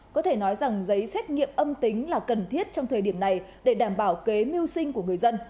có thể nói rằng giấy xét nghiệm âm tính là cần thiết trong thời điểm này để đảm bảo kế mưu sinh của người dân